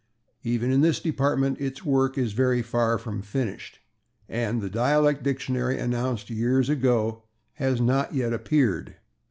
Even in this department its work is very far from finished, and the Dialect Dictionary announced years ago has not yet appeared.